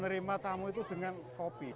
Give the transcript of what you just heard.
menerima tamu itu dengan kopi